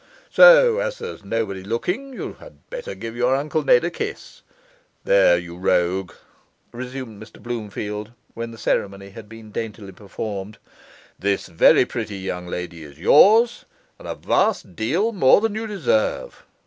So as there's nobody looking, you had better give your Uncle Ned a kiss. There, you rogue,' resumed Mr Bloomfield, when the ceremony had been daintily performed, 'this very pretty young lady is yours, and a vast deal more than you deserve.